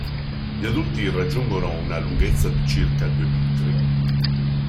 Gli adulti raggiungono una lunghezza di circa due metri.